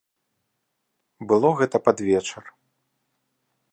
Было гэта пад вечар.